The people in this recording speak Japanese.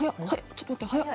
ちょっと待って早っ！